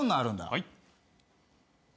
はい。